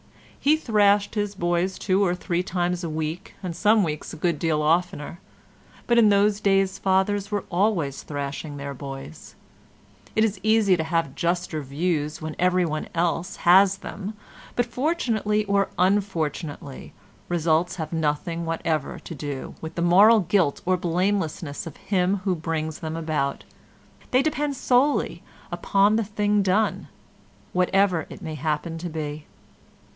He thrashed his boys two or three times a week and some weeks a good deal oftener, but in those days fathers were always thrashing their boys. It is easy to have juster views when everyone else has them, but fortunately or unfortunately results have nothing whatever to do with the moral guilt or blamelessness of him who brings them about; they depend solely upon the thing done, whatever it may happen to be.